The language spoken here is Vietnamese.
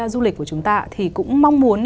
du lịch của chúng ta thì cũng mong muốn